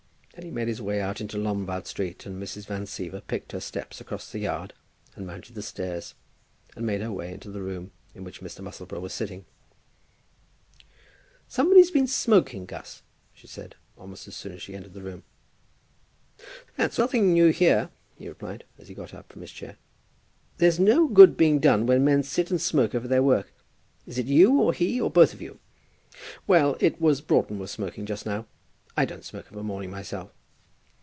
Then he made his way out into Lombard Street, and Mrs. Van Siever picked her steps across the yard, and mounted the stairs, and made her way into the room in which Mr. Musselboro was sitting. "Somebody's been smoking, Gus," she said, almost as soon as she had entered the room. "That's nothing new here," he replied, as he got up from his chair. "There's no good being done when men sit and smoke over their work. Is it you, or he, or both of you?" "Well; it was Broughton was smoking just now. I don't smoke of a morning myself."